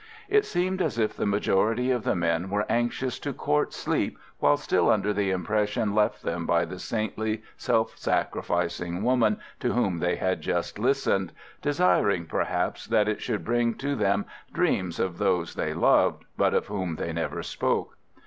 It seemed as if the majority of the men were anxious to court sleep while still under the impression left them by the saintly, self sacrificing woman to whom they had just listened, desiring, perhaps, that it should bring to them dreams of those they loved, but of whom they never spoke.